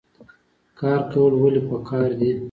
کار کول ولې پکار دي؟